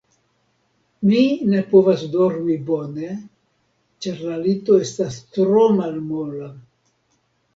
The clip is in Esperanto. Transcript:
Mi ne povas dormi bone, ĉar la lito estas tro malmola.